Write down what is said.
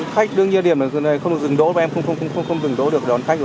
khách đương nhiên điểm là không dừng đỗ em không dừng đỗ được đón khách